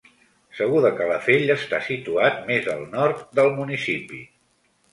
Segur de Calafell està situat més al nord del municipi.